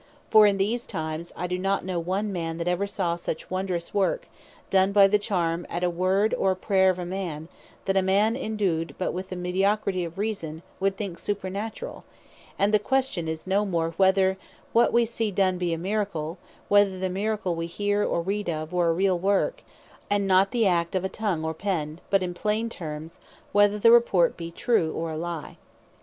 For in these times, I do not know one man, that ever saw any such wondrous work, done by the charm, or at the word, or prayer of a man, that a man endued but with a mediocrity of reason, would think supernaturall: and the question is no more, whether what wee see done, be a Miracle; whether the Miracle we hear, or read of, were a reall work, and not the Act of a tongue, or pen; but in plain terms, whether the report be true, or a lye.